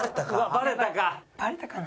バレたかな？